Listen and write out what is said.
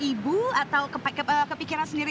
ibu atau kepikiran sendiri